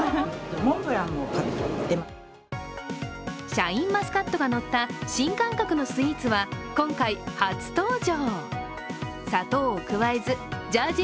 シャインマスカットがのった新感覚のスイーツは今回初登場。